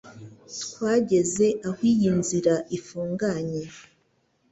Twageze aho iyi nzira ifunganye